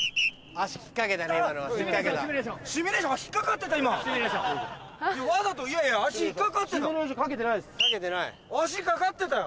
足引っかかってたよ。